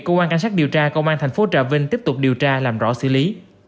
cơ quan cảnh sát điều tra công an thành phố trà vinh tiếp tục điều tra làm rõ xử lý